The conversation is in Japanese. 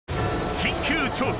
［緊急調査！